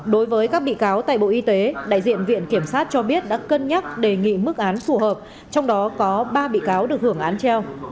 đối với các bị cáo tại bộ y tế đại diện viện kiểm sát cho biết đã cân nhắc đề nghị mức án phù hợp trong đó có ba bị cáo được hưởng án treo